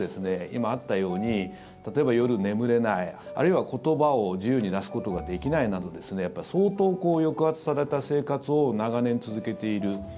今あったように例えば夜、眠れないあるいは言葉を自由に出すことができないなど相当、抑圧された生活を長年続けている。